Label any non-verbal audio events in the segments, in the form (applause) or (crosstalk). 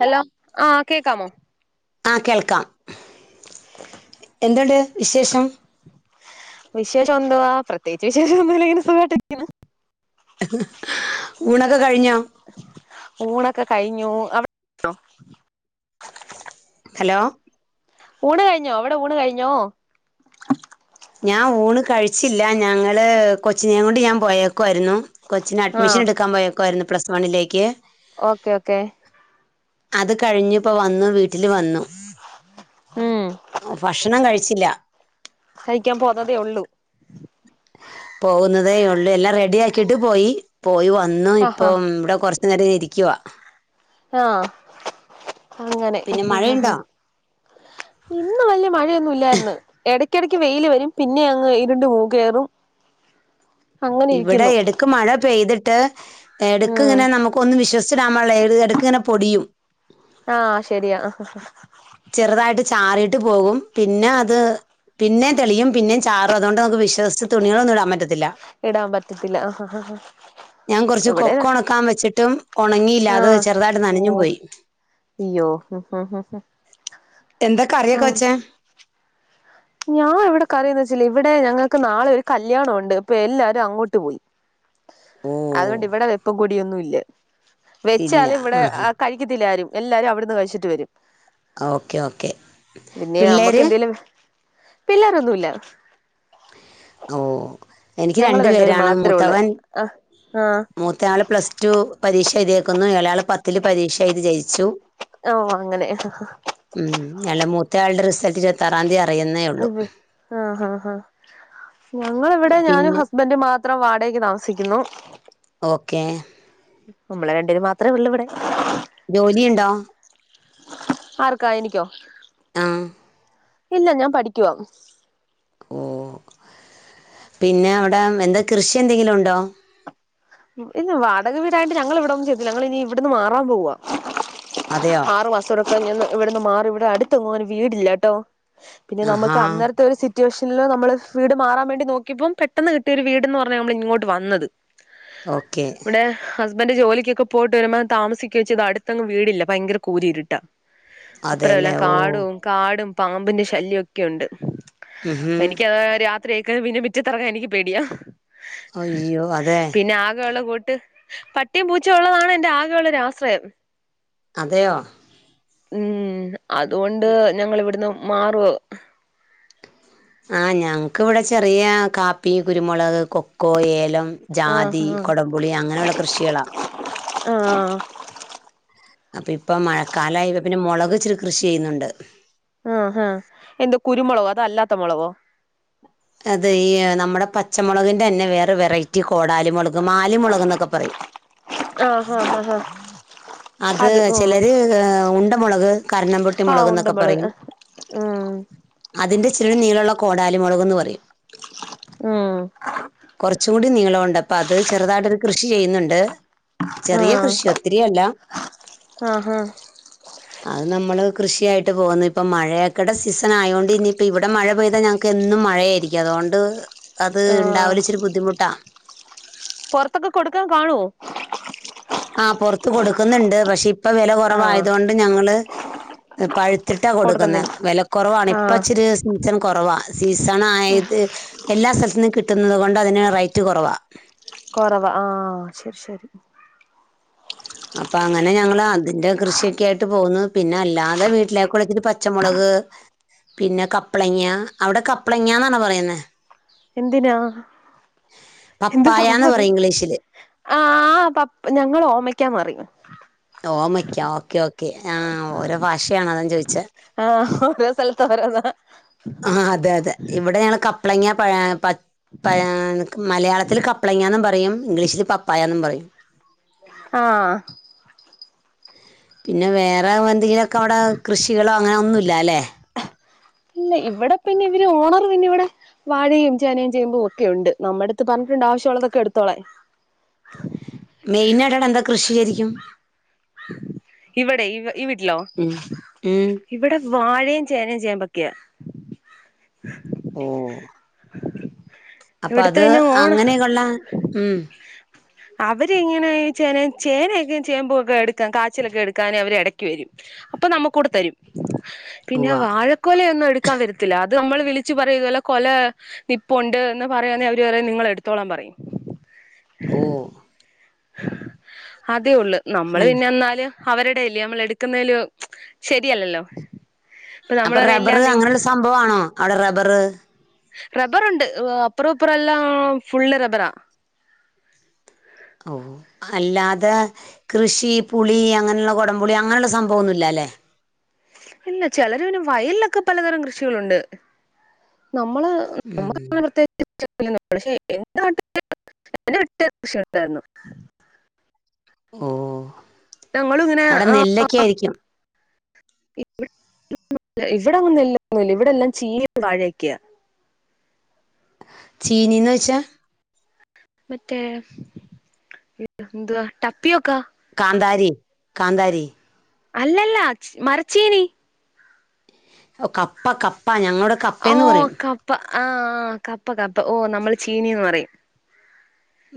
Hello ആ കേക്കാമോ ആ കേൾക്കാം എന്തുണ്ട് വിശേഷം വിശേഷൊന്തവാ പ്ര തേച്ച് വിശേഷാന്നുല്ല ഇങ്ങനെ സുഖായിട്ടിരിക്ക്ണ് ഊണൊക്കെ കഴിഞ്ഞോ ക്കെ കഴിഞ്ഞു അവ്ന്നോ ഹലോ ഊണ് കഴിഞ്ഞോ അവിടെ ഊണ് കഴിഞ്ഞോ ഞാൻ ഊണ് കഴിച്ചില്ല ഞങ്ങള് കൊച്ചിനേം കൊണ്ട് ഞാൻ പോയേക്കുവായിരുന്നു കൊച്ചിന് അഡ്മിഷ ആഹ് എടുക്കാൻ പോയേക്കുവായിരുന്നു പ്ലസ് വണ്ണിലേക്ക് ഓക്കെ ഓക്കെ അത് കഴിഞ്ഞിപ്പോ വന്നു വീട്ടില് വന്നു ഉം പശ് ണം കഴിച്ചില്ല കഴിക്കാൻ പോന്നതേ ഉള്ളു പോകുന്നതേ ഉള്ളൂ എല്ലാം റെഡി ആക്കിട്ട് പോയി പോയി വ ന്നു ആഹാ ഇപ്പം ഇവ്ടെ കൊ നേരം ഞാ ഇരിക്കുവാ ആ അങ്ങനെ പിന്നെ ഉം ഉം മഴയുണ്ടോ ഉം ഇന്ന് വല്യ മഴയൊന്നുല്ലാര്ന്ന് എട ക്കെടക്ക് വെയില് വരും പിന്നെ അങ്ങ് ഇരുണ്ട് പോ കേറും അങ്ങനെ ഇവടെ ഇരിക്കുന്നു എടക്ക് മഴ പെയ്ത് ട്ട് എടക്ക് ഉം ഇങ്ങനെ നമക്ക് ഒന്നും വിശ്വസിച്ചിടാൻ പാടില്ല എ എടക്ക് ഇങ്ങനെ പൊടിയും ആഹ് ശരിയാ ചെറുതായിട്ട് ചാറിട്ട് പോകും പിന്നേ അത് പിന്നേം തെളിയും പിന്നേം ചാ തുകൊണ്ട് നമക്ക് വിശ്വസിച്ച് തുണികളൊന്നും ഇടാൻ പറ്റത്തില്ല ഇടാൻ പറ്റത്തില്ല ഞാൻ കൊറച്ച് ഇവിടെ കൊക്കോ ഒണക്കാൻ വെച്ചിട്ടും ഒണങ്ങിയില്ലാത് ആഹ് ചെറുതായിട്ട് നനഞ്ഞും ഓ പോയി അയ്യോ എന്താ കറിയെക്കെ ആഹ് വെച്ചേ ഞാൻ ഇവടെ കറിയെന്ന് വെച്ചില്ലാ ഇവടെ ഞങ്ങക്ക് നാളെ ഒര് കല്യാണയെണ്ട് പ്പം എല്ലാരും അങ്ങോട്ട് പോയി ഓ അതുകൊണ്ട് ഇവടെ വെപ്പം കുടി കുടിയെന്നുംമില്ലാ ഇല്ല വെച്ചാലും ഇവടെ ആ കഴിക്കത്തില്ല ആരും എല്ലാരും അവടെന്ന് കഴിച്ചിട്ട് വരും ഓക്കെ ഓക്കെ പിള്ളേര് പിള്ളോരൊന്നുമില്ലാ ഓ എനിക്ക് ഞങ്ങള് രണ്ടു രണ്ടുപേരും പേരാണ് മാത്രേ ഉള്ളൂ മൂത്തവൻ ആ ആ മൂത്തെള് പ്ലസ് ടു പരീക്ഷ എഴതേക്ക്ന്ന് ഇളയാള് പത്തില് പരീക്ഷ എഴുതി ജെയിച്ചു ഓ അങ്ങനെ ആ അല്ലാ മൂത്തയാളുടെ റിസൾട്ട്‌ ഇരുപത്തിആറാതീയതി അറി ഉവ്വ് ആ ആ ആ ഞങ്ങളിവിടെ ഞാനും പിന്നെ ഹസ്ബൻഡ് മാത്ര ഇവടെ വാടകക്ക് താമസിക്കുന്നു ഓക്കെ നമ്മള് രണ്ടേര് മാത്രമേ ഉള്ളൂ ഇവടെ ജോലിയുണ്ടോ ആർക്കാ എനിക്കോ ആ ഇല്ല ഞാൻ പഠിക്കുവാ ഓ പിന്നെ അവടെ എന്താ കൃഷിന്തെങ്കിലും ഉണ്ടോ ഇല്ലാ വാടക വീടായോണ്ട് ഞങ്ങള് ഇവിടൊന്നും ചെയ്ത്തില്ല ഞങ്ങള് ഇനി ഇവടുന്ന് മാറാൻ പോവാ അതെയോ ആറ് (unintelligible) (unintelligible) ഇവടെന്ന് മാറുവാ ഇവടെ അടുത്തൊങ്ങും ഒര് വീടില്ലാട്ടോ പിന്നെ നമക്ക് ആഹാ അന്നരത്തെ ഒരു സ് സിറ്റുവേഷനില് നമ്മള് വീട് മാറാൻ വേണ്ടി നോക്കിയപ്പോം പെട്ടെന്ന് കിട്ടിയെര് വീടെന്ന് പറഞ്ഞാ നമ്മള് ഇങ്ങോട്ട് വന്നത് ഓക്കേ ഹസ്ബന്റ് ജോലിക്കൊക്കെ പോയിട്ട് വരുമ്പോ താമസിക്കൊ ചെയ്താ അടുത്തങ്ങ് വീടില്ല ഭയങ്കര കൂരിരുട്ടാ. അപ്പറമെല്ലാം അതെല്ലേ ഓ കാടും കാ പാമ്പിന്റെ ശല്യ ഒക്കെ ഉണ്ട് ഉം ഹും. എനിക്ക് കാര രാത്രി പിന്നെമിറ്റത്തറങ്ങാൻ എനിക്ക് പേടിയാ അയ്യോ അതെ ആകേള്ളകൂട്ട് പട്ടീം പൂച്ച ഉള്ളതാണ് എൻറ ആകെള്ള ഒരാശ്രയം അതെയോ ഊം അതുകൊണ്ട് ഞങ്ങലീവ്ട് മാറ്വാ ആഹ് ഞങ്ങക്ക് ഇവിടെ ചെറിയ കാപ്പി, കുരുമുളക്, കൊക്കോ, ഏലം ആഹ് ജാതി, ആഹ് കൊടംപുളി അങ്ങനെയുള്ള കൃഷികളാ. ആഹ് അപ്പൊ ഇപ്പം മഴക്കാലായി പിന്നെ ഇപ്പൊ മൊളക് ഇച്ചിരി കൃഷി ചെയ്യുന്നുണ്ട് ആഹ് ഹാ എന്ത്‌ കുരുമുളകോ അതൊ അല്ലാത്ത മൊളകോ അതെ ഈ നമ്മുടെ പച്ചമുളകിന്റെ തന്നെ വേറെ വെറൈറ്റി കോടാലിമൊളക് മാലി മൊളക്ക്‌ന്നൊക്കെ പറയും ആഹ് ആഹ് ആഹ് ആഹ് അത് ചെലര് ഉണ്ടമൊളക്, കരണം പൊട്ടി ആഹ് മൊളക്ന്നൊക്കെ ഉണ്ടമുളക് പറയും ഉം അതിന്റെ ഇച്ചിരി നീളം ഉള്ള മൊളക് ടാലിമൊളക്ന്നും പറയും ഹും നീലോണ്ട് അത് ചെറുതായിട്ടൊരു കൃഷി ചെയ്യുന്നുണ്ട് ചെറിയ ആഹ് കൃഷി ഒത്തിരി യല്ല ആഹ് ആഹ് ആഹ് അത് നമ്മള് കൃഷിയായിട്ട് പോകുന്നു ഇപ്പ മഴയൊക്കടെ സീസൺ ആയൊണ്ട് ഇനിയിപ്പോ ഇവിടെ മഴ പെയ്താ ഞങ്ങക്ക് എന്നും മഴയായിരിക്കും അതോണ്ട് അത് ആഹ് ഇണ്ടാവലിച്ചിരി ബുദ്ധിമുട്ടാ പൊറത്തൊക്കെ കൊടുക്കാൻ കാണുവോ? ത് കൊടുക്കുന്നുണ്ട് പക്ഷേ ഇപ്പൊ വെല ആഹ് കുറവായതുകൊണ്ട് ഞങ്ങള് പഴു തിട്ടാ കൊടുക്കുന്നേ കൊടുക്കുന്നില്ല വെല കൊറവാണ് ഇപ്പ ആഹ് ഇച്ചിരി സീസൺ കൊറവാണ് സീസണ ആയത് എല്ലാ സ്ഥലത്തന്നും എ ത്തുന്നത് കൊണ്ട് അതിന് റൈറ്റ് കുറവാ കൊറവാ ആഹ് ശരി ശരി അപ്പൊ അങ്ങനെ ഞങ്ങള് അതിന്റെ കൃഷിയൊക്കെ ആയിട്ട് പോകുന്നു. പിന്നെ അല്ലാതെ വീട്ടിലേക്കുള്ളത്തരെ പച്ചമുളക് പിന്നെ കപ്ലങ്ങ അവിടെ കപ്ലങ്ങന്നാണോ പറയുന്നേ. എന്തിനാ എന്ത് പപ്പായാന്ന് സംഭവത് പറയും ഇംഗ്ലീഷില് ആഹ് പപ് ഞങ്ങള് ഓമയ്ക്കാന്നറയും ഓമ്മയ്ക്ക ഓക്കെ ഓ ആ ഓരോ ഭാഷയാണ് അതാ ചോയിച്ച ആഹ് ഓരോ സ്ഥലത്ത് ഓരോന്നാ ആ അതെ അതെ ഇവിടെ ഞ കപ്പ്ളങ്ങ പ പയാന മലയാളത്തിൽ കപ്പ്ളങ്ങന്നുംപറയും ഇംഗ്ലിഷ്ല് പപ്പായ കാനും പറയും ആ പിന്നെ വേറെ ഏതെങ്കിലും ഓകെ അവിടെ കൃഷികളോ അങ്ങനെയൊന്നുമില്ലല്ലേ ഇല്ല ഇവിടെ പിന്നെ ഇവര് ഓണർ പിന്നെ ഇവിടെ വാഴയും ചേനയും ചെയ്യുമ്പോ ഒക്കെ ഉണ്ട് നമ്മുടെ അടുത്ത് പറഞ്ഞിട്ടുണ്ട് ആവശ്യമുള്ളതൊക്കെ എടുത്തോളാൻ മെയിനായിട്ട് അവിടെ എന്താ കൃഷി ശരിക്കും ഇവടെ ഇവ ഈ വീട്ട്ലോ ഉം ഉം ഇവടെ വാഴയും ചേനയും ചേമ്പൊ ക്യ ഓ അപ്പൊ ഇവിടുത്തെ അത് പിന്നെ ഓണ അങ്ങനെകൊള്ള ഉം അവരിങ്ങനെ ഏ ചേനയിം ചേനയൊക്കെ ചേമ്പൂക്കെ എടുക്കാൻ കാച്ചിലൊക്കെ എടുക്കാന് അവര് എടക്ക് വരും അപ്പൊ നമ്മുക്കൂടെ തരും പിന്നെ ഉവ്വ വാഴക്കോല ഒന്നും എടുക്കാൻ വരത്തില്ല ഇത് നമ്മൾ വിളിച്ച് പറയും ഇതുല്ലെ കൊല നിപ്പുണ്ട് എന്ന് പറയാന്നെ അവര് പറയു നിങ്ങള് എടുത്തോളാം പറയും. ഓ അ ത്തെ ഉള്ള്. നമ്മള് അല്ല പിന്നെ എന്നാല് അവരുടെഎല്ലേ നമ്മൾ എടുക്കുന്നയിലൊ ശരിയല്ലല്ലോ ഇപ്പൊ അപ്പൊ നമ്മള് പറയും ഇല്ല റബറ് നി അങ്ങനെയാെര് സംഭവാണോ അവ്ടെ റബ (unintelligible) റബറ്ണ്ട് അപ്പുറം ഇപ്പുറെല്ലാം ഫുള്ള് റബറാ ഓ അല്ലാതെ കൃഷി പുളി അങ്ങനെള്ള കൊടംപുളി അങ്ങനെള്ള സംഭവൊന്നുല്ലാല്ലെ ഇല്ല ചെലര് പിന്നെ വയൽലൊക്കെ പലതരം കൃഷികളുണ്ട് നമ്മള് നമ്ക്ക് ഉം ഇപ്പോ പ്രത്യേകിച്ച് (unintelligible) ഓ ഞങ്ങളും അവ്ടെ നെല്ലൊക്കെ ആയിരിക്കും (unintelligible) ഇവിടങ്ങനെ നെല്ലൊന്നുല്ല ഇവിടെ എല്ലാം ചീനിം വാഴെക്കെയാ ചീനീന്ന് വെച്ചാ മറ്റേ ന്ത ടപ്പിയോക്ക കാന്താരി കാന്താരി അല്ലല്ല ചി മരച്ചീനി ഒ കപ്പ ക പ്പാ ഞങ്ങള്വ്ടെ ഓ കപ്പേന്ന് പറയും കപ്പ ആ കപ്പ കപ്പ ഓ നമ്മള് ചീനീന്ന് പറയും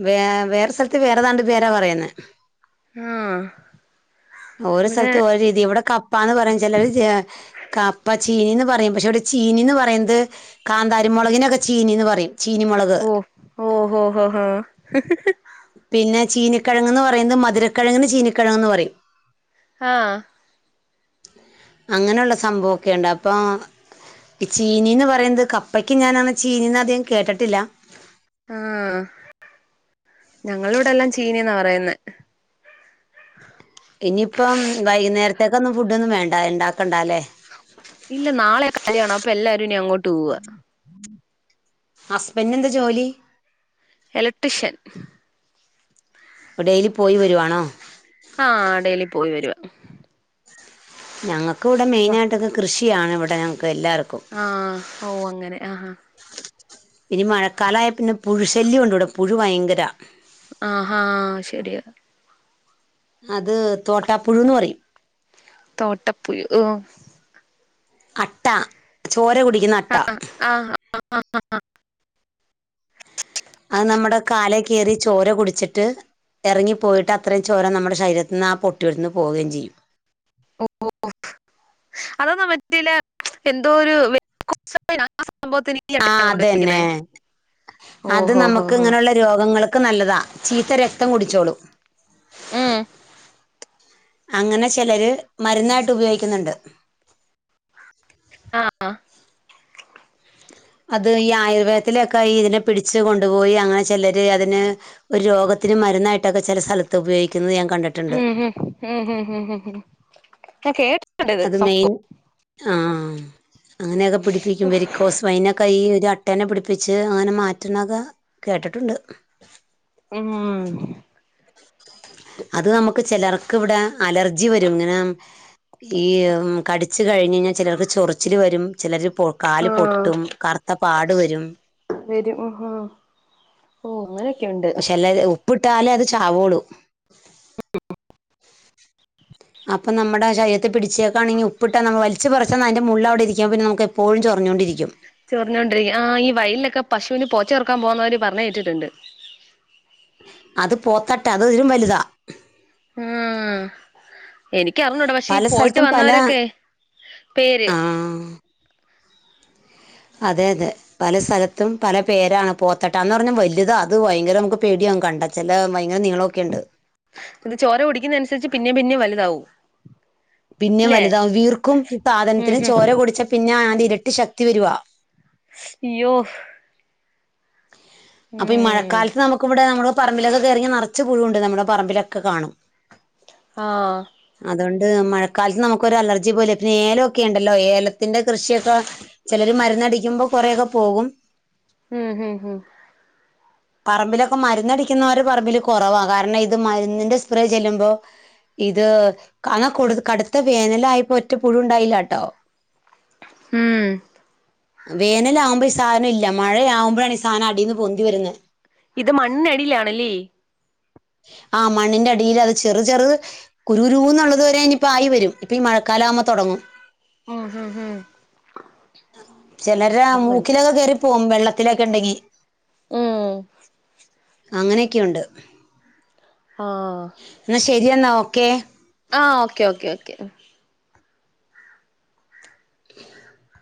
വേ വേറെ സ്ഥൽത്ത് വേറേതാണ്ട് പേരാ പറയ്‌ന്നെ ആ ഓരോ സ്ഥലത്ത് ഓരോ രീതി ഇവ്ടെ കപ്പാന്ന് പറയും ചെലര് ചെ കപ്പ ചീനീന്നും പറയും പക്ഷെ ഇവ്ടെ ചീനീ ന്ന് പറയുന്നത് കാന്താരി മൊളകിനൊക്കെ ചീനീ ന്ന് പറയും ചീനിമുളക് ഓ ഓഹോ ഹ് ഹ് പിന്നെ ചീനിക്കെഴങ്ങ്ന്ന് പറയ്ന്നത് മധുരക്കെഴങ്ങിന് ചീനിക്കെഴങ്ങ്ന്ന് പറയും ആ അങ്ങനൊള്ള സംഭവൊക്കെണ്ട് അപ്പ ചീനീന്ന് പറയ്ന്നത് കപ്പയ്ക്ക് ഞാന് ചീനീന്ന് അധികം കേട്ടിട്ടില്ല ആ ഞങ്ങള് വിടെല്ലാം ചീനീന്നാ പറയുന്നെ ഇനി ഇപ്പം വൈകുന്നേരത്തേക്കൊന്നും ഫുഡൊന്നും വേണ്ട ണ്ടാക്കണ്ടാല്ലേ ഇല്ല നാളെ (unintelligible) അപ്പ എല്ലാരും ഇനി അങ്ങോട്ട് പോവാ ഹസ്ബൻ്റിനെന്താ ജോലി എലക്ട്രിഷ്യൻ ഡെയ്ലി പോയി വരുവാണോ ആഹ് ഡെയിലി പോയി വരുവ ഞങ്ങ ക്കൂടെ മെയ്നായ്ട്ടൊക്കെ കൃഷി ഇയാണ് ഇവിടെ എല്ലാവർക്കും ആ ഓ അങ്ങനെ ആഹാ ഇനി മഴക്കാലായ പിന്നെ പുഴു ശല്ല്യാണ്ട് ഇവിടെ പുഴു ഭയങ്കരാ ആ ഹാ ശരിയാ അത് തോട്ടാപ്പുഴൂന്ന് പറയും തോട്ടപ്പുഴു ഹ് അട്ട, ചോര കുടിക്കുന്ന അട്ട ആഹ് (unintelligible) അത് നമ്മടെ കാലേ കേറി ചോര കുടിച്ചിട്ട് എറങ്ങിപ്പോയിട്ട് അത്രേം ചോര നമ്മടെ ശരീരത്തിന്ന് ആ പൊട്ടിയോട്ത്ത്ന്ന് പോവേം ചെയ്യും (unintelligible) അതാണോ മറ്റേ ഇല്ലേ എന്തോ ഒരു - ആ അത് തന്നെ അത്‌ ഓഹോ ഹോ നമക്ക് ഹോ ഇങ്ങനെയുള്ള രോഗങ്ങൾക്ക് നല്ലതാ ചീത്ത രക്തം കുടിച്ചോളും ഉം അങ്ങനെ ചെലര് മര്ന്നായിട്ട് ഉപയോയ്ക്ക്ന്ന്ണ്ട് ആ (inaudible) അത് ഈ ആയുർവേദത്തിലൊക്കെ ഈ ഇതിനെ പിടിച്ച് കൊണ്ടുപോയി അങ്ങനെ ചെലര് അതിന് ഒരു രോഗത്തിന് മരുന്നായിട്ടൊക്കെ ചെല സ്ഥലത്ത് ഉപയോയ് ഹും ഹും ഹും ഹും ഹും ഹും ഹും (unintelligible) അത് മെയ്ൻ ആ അങ്ങനെയൊക്കെ പിടിപ്പിക്കും വെരിക്കോസ് വൈനൊക്കെ ഈ- അട്ടേനെ പിടിപ്പിച്ച് അങ്ങനെ മാറ്റുന്നൊക്കെ കേട്ടിട്ടുണ്ട്. ആ അത് നമുക്ക് ചെലർ- ക്കിവിടെ അലർജി വരും ങ്ങനെ ഈ കടിച്ച് കഴിഞ്ഞ്ഞ്ഞാ ചേലോർക്ക് ചൊറിച്ചില് വരും ചെലര് പൊ കാല് ആഹ് പൊട്ടും കറുത്ത പാടു വരും വരും ഉഹും ഓ അങ്ങനെ പക്ഷെ അല്ലത് ഉപ്പിട്ടാലേ അത് ചാവോളൂ (unintelligible) അപ്പ നമ്മടെ ശരീരത്ത് പിടിച്ചേക്കാണെങ്ങി ഉപ്പിട്ടാ നമ്മ വലിച്ച് പറിച്ചന്നാ അതിന്റെ മുള്ള് അവിടെ ഇരിക്കും പിന്നെ നമുക്ക് എപ്പോഴും ചൊറിഞ്ഞോണ്ടിരിക്കും. ചൊറിഞ്ഞോണ്ടിരിക്ക ക്കാൻ പോന്നവര് പറഞ്ഞ് കേട്ടിട്ട്ണ്ട് അത് പോത്തട്ട, അതിതിലും വലുതാ. ആ എനിക്കറിഞ്ഞൂട പക്ഷേ ഈ പല പോയിട്ട് സ്ഥലത്തും പല വന്നവരൊക്കെ, പേര് ആ അതെയതെ പല സ്ഥലത്തും പല പേരാണ് പോത്തട്ടാന്ന് പറഞ്ഞാൽ വലുതാ അത് ഭയങ്കര നമുക്ക് പേടിയാകും കണ്ടാ ചെല ഇത് ചോര കുടിക്കുന്ന അനുസരിച്ച് പിന്നേം പിന്നേം വലുതാവും പിന്നെ ല്ലേ വലുതാവും വീർക്കും ഉം സാധനത്തിന് ഹും ചോര കുടിച്ചാ പിന്നെ അതിന്റെ ഇരട്ടി ശക്തി വരുവാ. യ്യോ അപ്പ ഈ മഴക്കാലത്ത് നമുക്ക് ഇവിടെ നമ്മള്- പറമ്പിലൊക്കെ കേറിങ്കി നറച്ച് പുഴുണ്ട് നമ്മുടെ പറമ്പിലൊക്കെ കാണും. ആ അതുകൊണ്ട് മഴക്കാലത്ത് നമുക്കൊരു അലർജി പോല പിന്നെ ഏലൊക്കെ ഉണ്ടല്ലോ ഏലത്തിന്റെ കൃഷിയൊക്കെ ചിലര് മരുന്നടിക്കുമ്പോൾ കുറേക്കെ പോകും ഉം ഉം ഉം പറമ്പിലൊക്കെ മരുന്നടിക്കുന്നവര് പറമ്പില് കുറവാ കാരണം ഇത് മരുന്നിന്റെ സ്പ്രേ ചെല്ലുമ്പോ ഇത് അന്നാ കടുത്ത വേനലായിപ്പോ ഒറ്റ പുഴു ഉണ്ടായില്ലാട്ടോ. ഉം വേനലാകുമ്പോ ഈ സാധനം ഇല്ല മഴയാവുമ്പഴാണ് സാന അടീന്ന് പൊന്തി വരന്നെ. ഇത് മണ്ണിനടിയിലാണ്‌ലി ആ മണ്ണിന്റെ അടിൽ, അത് ചെറു ചെറു കുരുരുന്നൊള്ളത് വരെ ഇനിയിപ്പോ ആയി വരും ഇപ്പൊ ഈ മഴക്കാലം ആവുമ്പ തുടങ്ങും ഉം ഹും ഹും ചിലരടെ അങ്ങനെ മൂക്കിലൊക്കെ കേറി- പോവും വെള്ളത്തിലൊക്കെണ്ടെങ്കി ഉം അങ്ങനെയൊക്കെയുണ്ട് ആഹ് എന്ന ശരിയെന്നാ ഒ- ക്കേ ആ ഓക്കേ ഓക്കേ ഓക്കെ (unintelligible)